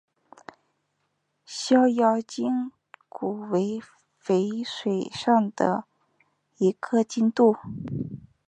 逍遥津古为淝水上的一个津渡。